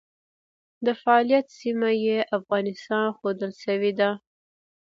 د فعالیت سیمه یې افغانستان ښودل شوې ده.